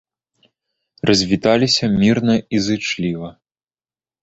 Развіталіся мірна і зычліва.